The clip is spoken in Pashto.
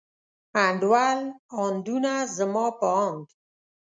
انډول، اندونه، زما په اند.